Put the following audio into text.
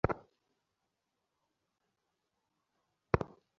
যদিও ইহা বড় কঠিন বোধ হয়, তথাপি ক্রমশ ইহা সহজ হইয়া আসিবে।